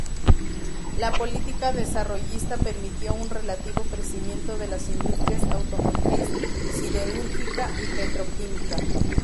La política desarrollista permitió un relativo crecimiento de las industrias automotriz, siderúrgica y petroquímica.